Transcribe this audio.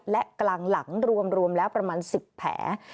และกลางหลังรวมแล้วประมาณ๑๐แผล